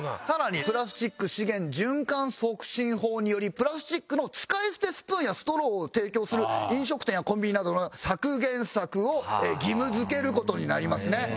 さらにプラスチック資源循環促進法によりプラスチックの使い捨てスプーンやストローを提供する飲食店やコンビニなどの削減策を義務づける事になりますね。